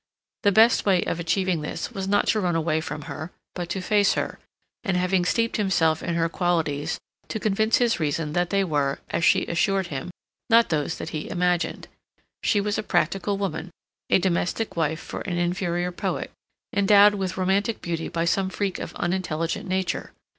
The best way of achieving this was not to run away from her, but to face her, and having steeped himself in her qualities, to convince his reason that they were, as she assured him, not those that he imagined. She was a practical woman, a domestic wife for an inferior poet, endowed with romantic beauty by some freak of unintelligent Nature.